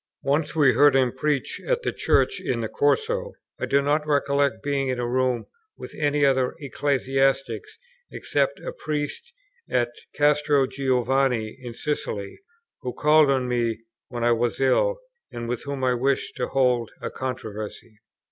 Once we heard him preach at a church in the Corso. I do not recollect being in a room with any other ecclesiastics, except a Priest at Castro Giovanni in Sicily, who called on me when I was ill, and with whom I wished to hold a controversy.